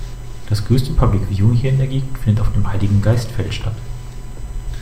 Das größte Public Viewing hier in der Gegend findet auf dem Heiligengeistfeld statt.